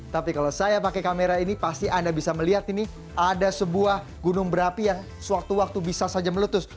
tapi kalau saya pakai kamera ini pasti anda bisa melihat ini ada sebuah gunung berapi yang sewaktu waktu bisa saja meletus